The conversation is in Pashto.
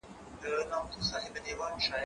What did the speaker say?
زه به مېوې خوړلې وي،